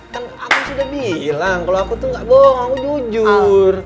kan aku sudah bilang kalau aku tuh gak bohong aku jujur